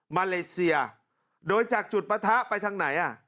มาเลเซียโดยจากจุดปะทะไปทางไหนอ่ะ